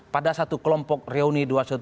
pada satu kelompok reuni dua satu dua